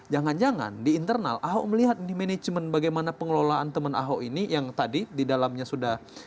jangan jangan di internal ahok melihat di manajemen bagaimana pengelolaan teman ahok ini yang tadi di dalamnya sudah